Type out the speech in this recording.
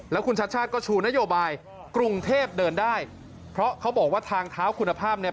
แล้วคุณชัดชาติก็ชูนโยบายกรุงเทพเดินได้เพราะเขาบอกว่าทางเท้าคุณภาพเนี่ย